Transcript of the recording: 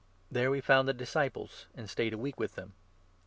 There we found the disciples and 4 stayed a week with them.